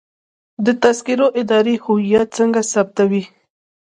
د تذکرو اداره هویت څنګه تثبیتوي؟